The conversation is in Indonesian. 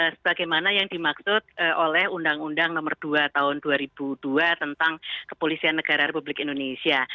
sebagaimana yang dimaksud oleh undang undang nomor dua tahun dua ribu dua tentang kepolisian negara republik indonesia